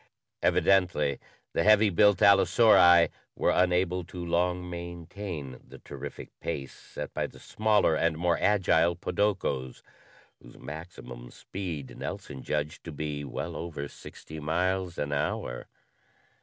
Evidently, the heavy built allosauri were unable to long maintain the terrific pace set by the smaller and more agile podokos whose maximum speed Nelson judged to be well over sixty miles an hour.